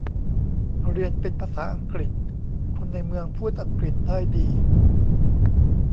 เรียนเป็นภาษาอังกฤษ คนในเมืองพูดอังกฤษได้ดี